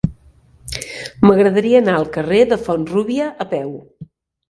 M'agradaria anar al carrer de Font-rúbia a peu.